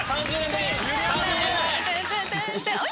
３０年前。